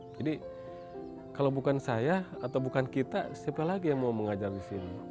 jadi kalau bukan saya atau bukan kita siapa lagi yang mau mengajar di sini